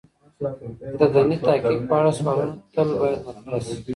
د دیني تحقیق په اړه سوالونه تل باید مطرح شی.